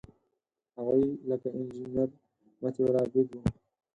هغوی لکه انجینیر مطیع الله عابد وو.